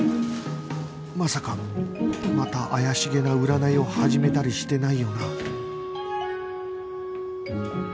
まさかまた怪しげな占いを始めたりしてないよな？